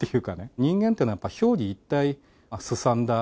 人間っていうのは、やっぱり表裏一体、すさんだ